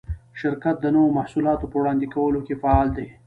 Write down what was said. شرکت د نوو محصولاتو په وړاندې کولو کې فعال دی.